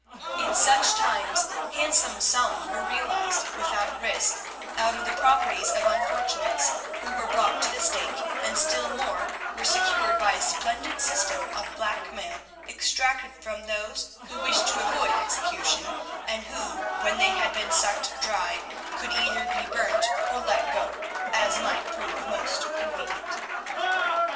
In such times handsome sums were realised, without risk, out of the properties of unfortunates who were brought to the stake, and still more was secured by a splendid system of blackmail extracted from those who wished to avoid execution, and who, when they had been sucked dry, could either be burnt or let go, as might prove most convenient.